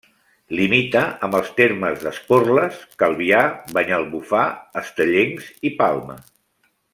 Limita amb els termes d'Esporles, Calvià, Banyalbufar, Estellencs i Palma.